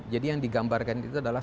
jadi yang digambarkan itu adalah